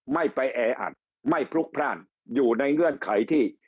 ไม่ไปแออัดไม่พลุกพร่านอยู่ในเงื่อนไขที่